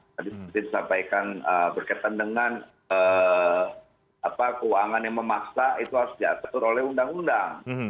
tadi seperti disampaikan berkaitan dengan keuangan yang memaksa itu harus diatur oleh undang undang